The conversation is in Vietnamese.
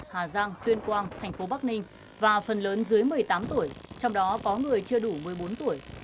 hà giang tuyên quang thành phố bắc ninh và phần lớn dưới một mươi tám tuổi trong đó có người chưa đủ một mươi bốn tuổi